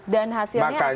dan hasilnya apakah